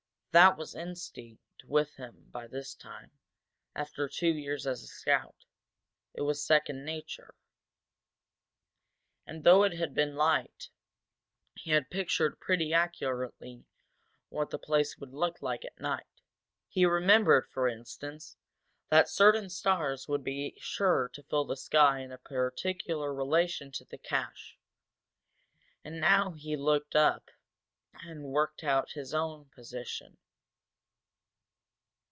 That was instinct with him by this time, after two years as a scout; it was second nature. And, though it had been light, he had pictured pretty accurately what the place would look like at night. He remembered for instance, that certain stars would be sure to fill the sky in a particular relation to the cache. And now he looked up and worked out his own position.